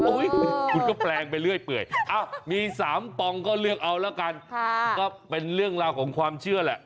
คุณก็แปลงไปเรื่อยเปื่อยมี๓ปองก็เลือกเอาละกันก็เป็นเรื่องราวของความเชื่อแหละ